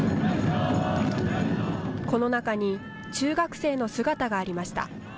この中に、中学生の姿がありました。